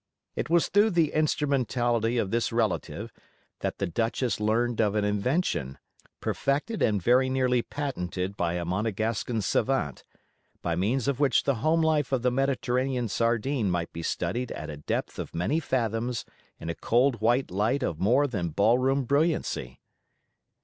It was through the instrumentality of this relative that the Duchess learned of an invention, perfected and very nearly patented by a Monegaskan savant, by means of which the home life of the Mediterranean sardine might be studied at a depth of many fathoms in a cold white light of more than ball room brilliancy.